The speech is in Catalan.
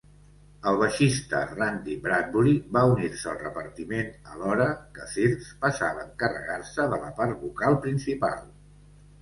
El baixista Randy Bradbury va unir-se al repartiment alhora que Thirsk passava a encarregar-se de la part vocal principal.